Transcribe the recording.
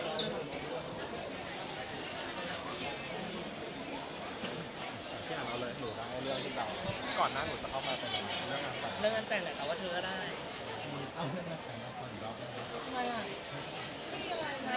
อ่าเพียงเอาเลยหนูได้ตามให้เรื่องขึ้นเจ้าแล้วก่อนหน้า